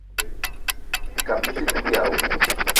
Ekabili i te dug èè àwu